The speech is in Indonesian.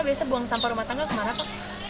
biasanya buang sampah rumah tangga kemana pak